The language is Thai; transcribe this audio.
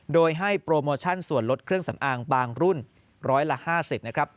โดยให้โปรโมชั่นส่วนลดเครื่องสำอางบางรุ่นร้อยละ๕๐นะครับ